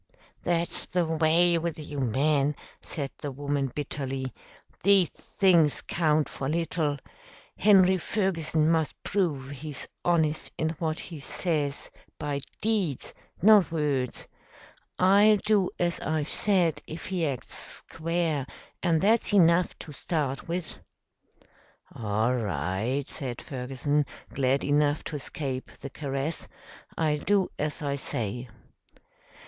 "That's the way with you men," said the woman bitterly. "These things count for little. Henry Ferguson must prove he's honest in what he says by deeds, not words. I'll do as I've said if he acts square, and that's enough to start with." "All right," said Ferguson, glad enough to escape the caress. "I'll do as I say."